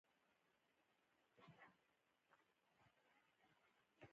هغه ماشوم راته ووې چې اودس لپاره